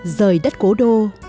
rời đất cố đô